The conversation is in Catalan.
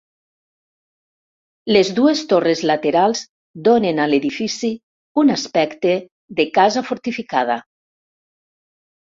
Les dues torres laterals donen a l'edifici un aspecte de casa fortificada.